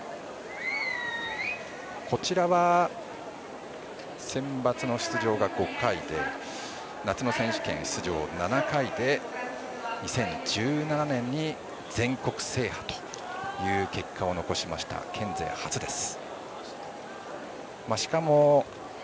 こちらはセンバツの出場が５回で夏の選手権７回で２０１７年に全国制覇という結果を残しました、県勢初です。